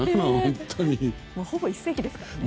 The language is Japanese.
ほぼ１世紀ですからね。